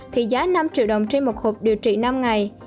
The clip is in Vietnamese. thì giá năm triệu đồng trên một hộp điều trị năm ngày